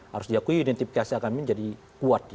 harus diakui identifikasi agama ini jadi kuat